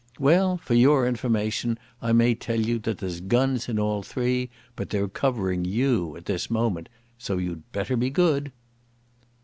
Well, for your information I may tell you that there's guns in all three, but they're covering you at this moment. So you'd better be good."